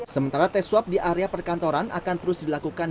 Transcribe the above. sementara tes swab di area perkantoran akan terus dilakukan